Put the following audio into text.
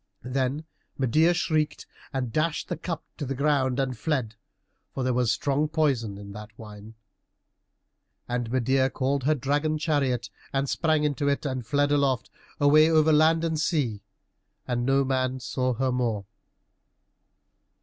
Then Medeia shrieked and dashed the cup to the ground and fled, for there was strong poison in that wine. And Medeia called her dragon chariot, and sprang into it, and fled aloft, away over land and sea, and no man saw her more.